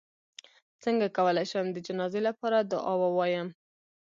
څنګه کولی شم د جنازې لپاره دعا ووایم